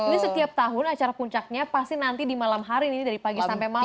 ini setiap tahun acara puncaknya pasti nanti di malam hari ini dari pagi sampai malam